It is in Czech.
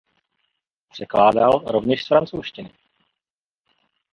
Překládal rovněž z francouzštiny.